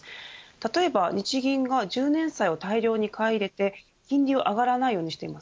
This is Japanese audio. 例えば日銀が１０年債を大量に買い入れて金利を上がらないようにしています。